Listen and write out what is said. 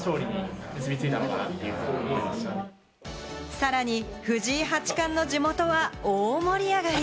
さらに藤井八冠の地元は大盛り上がり。